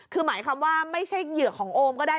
คือหมายความว่าไม่ใช่เหยื่อของโอมก็ได้